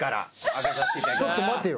ちょっと待てよ。